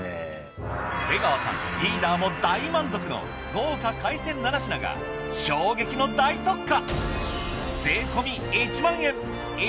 瀬川さんリーダーも大満足の豪華海鮮７品が衝撃の大特価。